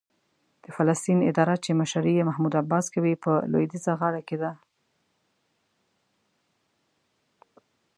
د فلسطین اداره چې مشري یې محمود عباس کوي، په لوېدیځه غاړه کې ده.